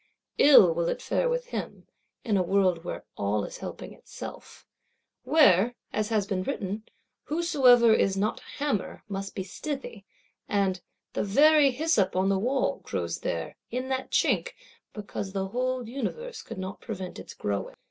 Ill will it fare with him, in a world where all is helping itself; where, as has been written, "whosoever is not hammer must be stithy;" and "the very hyssop on the wall grows there, in that chink, because the whole Universe could not prevent its growing!"